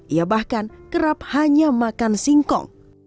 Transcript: ia bahkan kerap hanya makan singkong